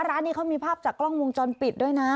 ร้านนี้เขามีภาพจากกล้องวงจรปิดด้วยนะ